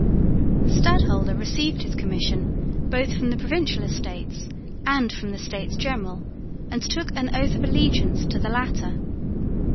The stadholder received his commission both from the Provincial Estates and from the States General and took an oath of allegiance to the latter.